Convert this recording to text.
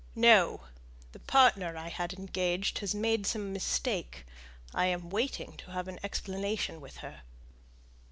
"No! The partner I had engaged has made some mistake. I am waiting to have an explanation with her."